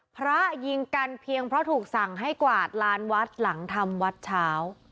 พระยิงกันเพียงเพราะถูกสั่งให้กวาดลานวัดหลังทำวัดเช้า